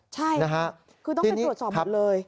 ใช่คือต้องไปตรวจสอบหมดเลย